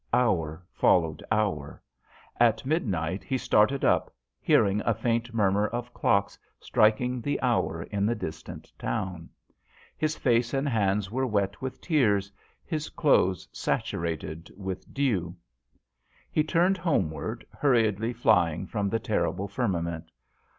Hour followed hour. At midnight he started up, hearing a faint mur mur of clocks striking the hour in the distant town. His face and hands were wet with tears, his clothes saturated with dew. He turned homeward, hurriedly flying from the terrible firmament.